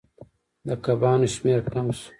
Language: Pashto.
د کبانو شمیر کم شو.